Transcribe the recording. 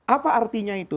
apa artinya itu